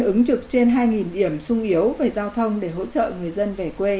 ứng trực trên hai điểm sung yếu về giao thông để hỗ trợ người dân về quê